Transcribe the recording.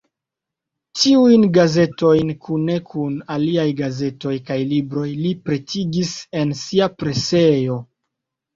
Tiujn gazetojn kune kun aliaj gazetoj kaj libroj li pretigis en sia presejo.